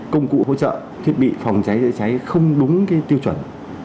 công cụ hỗ trợ thiết bị phòng cháy chữa cháy không đúng tiêu chuẩn